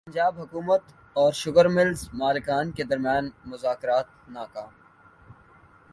پنجاب حکومت اور sugar mills مالکان کے درمیان مذاکرات ناکام